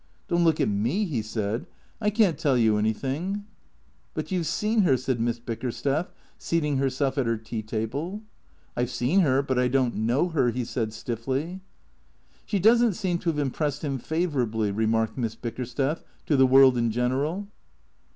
" Don't look at me/' he said. " I can't tell you any thing/' " But — you 've seen her/' said Miss Bickersteth, seating her self at her tea table. " I 've seen her, but I don't know her/' he said stiffly. " She does n't seem to have impressed him favourably/' re marked Miss Bickersteth to the world in general.